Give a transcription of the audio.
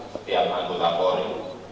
setiap anggota polri